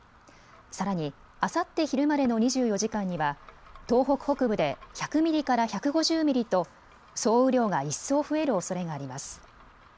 さらに、あさって昼までの２４時間には東北北部で１００ミリから１５０ミリと総雨量が一層、増えるおそれがあります。